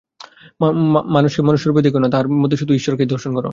মানুষকে মানুষরূপে দেখিও না, তাহার মধ্যে শুধু ঈশ্বরকেই দর্শন কর।